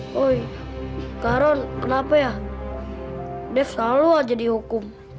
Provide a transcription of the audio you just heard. woy kak ron kenapa ya dev selalu aja dihukum